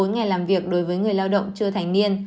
một mươi bốn ngày làm việc đối với người lao động chưa thành niên